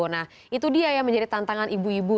nah itu dia yang menjadi tantangan ibu ibu